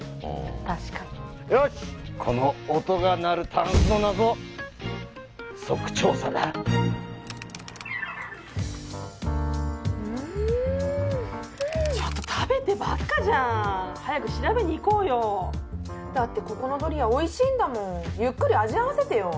確かによしこの音が鳴るタンスの謎即調査だうーんちょっと食べてばっかじゃん早く調べにいこうよだってここのドリアおいしいんだもんゆっくり味わわせてよ